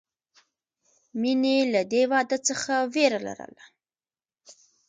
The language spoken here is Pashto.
مینې له دې واده څخه وېره لرله